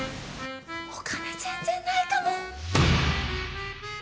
お金全然ないかも。